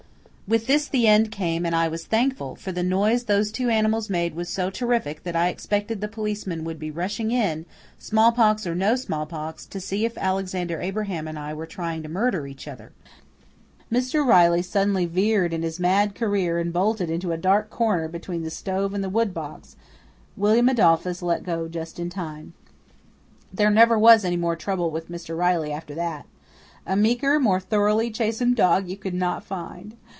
With this the end came and I was thankful, for the noise those two animals made was so terrific that I expected the policeman would be rushing in, smallpox or no smallpox, to see if Alexander Abraham and I were trying to murder each other. Mr. Riley suddenly veered in his mad career and bolted into a dark corner between the stove and the wood box, William Adolphus let go just in time. There never was any more trouble with Mr. Riley after that. A meeker, more thoroughly chastened dog you could not find.